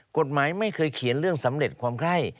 กฎหมายไม่เคยเขียนเรื่องสำเร็จความไข้